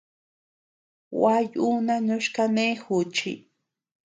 Gua yuuna noch kanee juchi.